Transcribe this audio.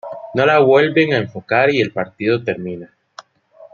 No la vuelven a enfocar y el partido termina.